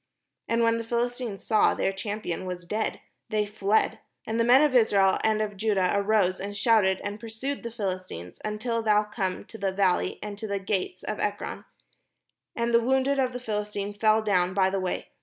And when the Philistines saw their champion was dead, they fled. And the men of Israel and of Judah arose, and shouted, and pursued the Philistines, until thou come to the valley, and to the gates of Ekron. And the wounded of the Philistines fell down by the way.